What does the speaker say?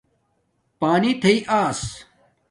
پانی تھیݵ آیس